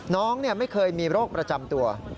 น้องไม่เคยมีโรคประจำตัว